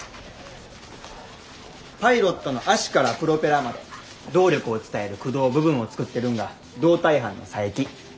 パイロットの脚からプロペラまで動力を伝える駆動部分を作ってるんが胴体班の佐伯。